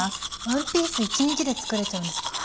ワンピース１日で作れちゃうんですか？